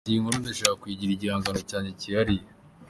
Ati “Iyi nkuru ndashaka kuyigira igihangano cyanjye cyihariye.